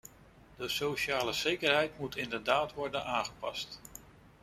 De sociale zekerheid moet inderdaad worden aangepast.